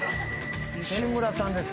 志村さんです。